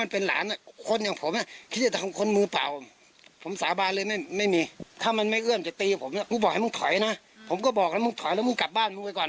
เพราะว่ามันมึงถอยนะผมก็บอกมึงถ่อยแล้ามึงกลับบ้านก่อน